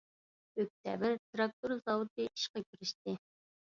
ئۆكتەبىر تىراكتور زاۋۇتى ئىشقا كىرىشتى .